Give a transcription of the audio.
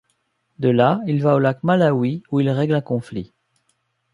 De là, il va au lac Malawi où il règle un conflit.